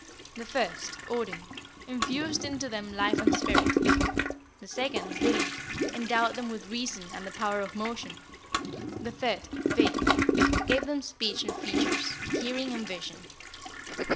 The first (Odin) infused into them life and spirit; the second (Vili) endowed them with reason and the power of motion; the third (Ve) gave them speech and features, hearing and vision.